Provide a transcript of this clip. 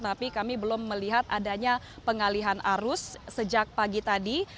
tapi kami belum melihat adanya pengalihan arus sejak pagi tadi